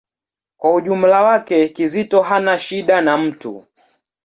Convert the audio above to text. Kwa ujumla wake, Kizito hana shida na mtu.